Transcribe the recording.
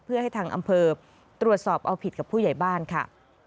เพื่อให้ทางอำเภอตรวจสอบเอาผิดกับผู้ใหญ่บ้านค่ะ